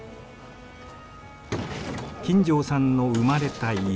金城さんの生まれた家。